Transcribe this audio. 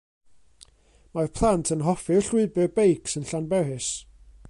Mae'r plant yn hoffi'r llwybr beics yn Llanberis.